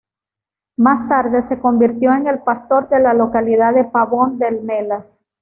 Más tarde, se convirtió en el pastor de la localidad de Pavone del Mella.